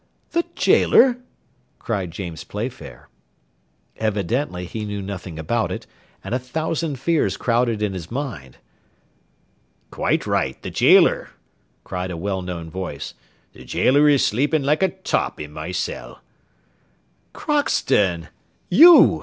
"The gaoler!" cried James Playfair. Evidently he knew nothing about it, and a thousand fears crowded in his mind. "Quite right, the gaoler," cried a well known voice. "The gaoler is sleeping like a top in my cell." "Crockston! you!